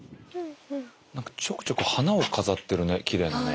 何かちょくちょく花を飾ってるねきれいなね。